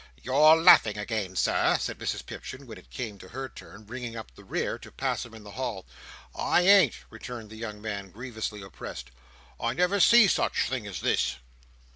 "You're laughing again, Sir," said Mrs Pipchin, when it came to her turn, bringing up the rear, to pass him in the hall. "I ain't," returned the young man, grievously oppressed. "I never see such a thing as this!"